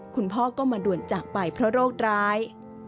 คุณพ่อก็มาด่วนจากไปเพราะโรคร้าย